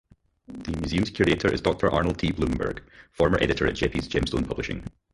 The museum's curator is Doctor Arnold T. Blumberg, former editor at Geppi's Gemstone Publishing.